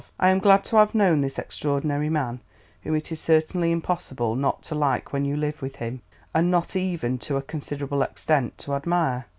... I am glad to have known this extraordinary man, whom it is certainly impossible not to like when you live with him, and not even to a considerable extent to admire.